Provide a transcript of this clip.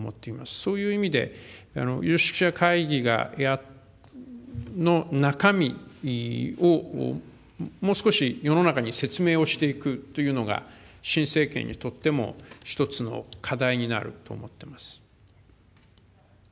そういう意味で、有識者会議の中身を、もう少し世の中に説明をしていくというのが、新政権にとっても、一つの課題になると思っています。